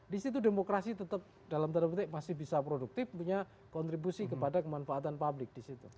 di situ demokrasi tetap dalam tanda petik masih bisa produktif punya kontribusi kepada kemanfaatan publik disitu